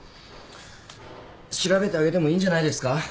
調べてあげてもいいんじゃないですか？